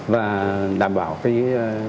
và đảm bảo cái